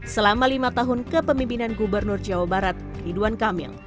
selama lima tahun kepemimpinan gubernur jawa barat ridwan kamil